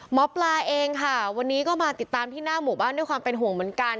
หมอปลาเองค่ะวันนี้ก็มาติดตามที่หน้าหมู่บ้านด้วยความเป็นห่วงเหมือนกัน